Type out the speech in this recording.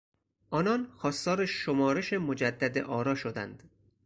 آنان خواستار شمارش مجدد آرا شدند.